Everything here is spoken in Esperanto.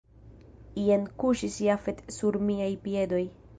Jen kuŝis Jafet sur miaj piedoj.